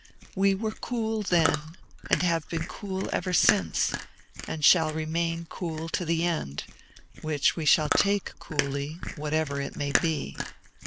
We were cool then, and have been cool ever since, and shall remain cool to the end, which we shall take coolly, whatever it may be.